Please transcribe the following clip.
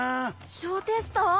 小テスト？